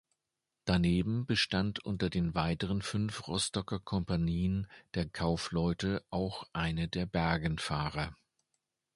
Daneben bestand unter den weiteren fünf Rostocker Kompanien der Kaufleute auch eine der Bergenfahrer.